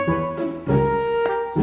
aduh kebentur lagi